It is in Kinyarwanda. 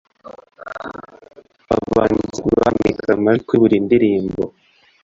Aba bahanzi bahanikaga amajwi kuri buri ndirimbo